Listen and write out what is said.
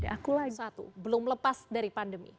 aku lain satu belum lepas dari pandemi